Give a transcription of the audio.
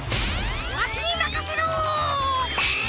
わしにまかせろっ！